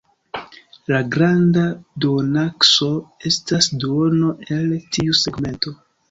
La granda duonakso estas duono el tiu segmento.